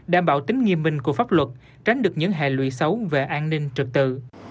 đảm bảo tính nghiêm minh của pháp luật tránh được những hệ lụy xấu về an ninh trực tự